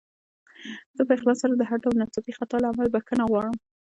زه په اخلاص سره د هر ډول ناڅاپي خطا له امله بخښنه غواړم.